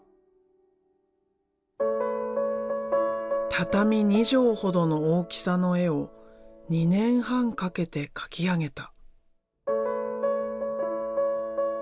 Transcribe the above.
畳２畳ほどの大きさの絵を２年半かけて描き上げた。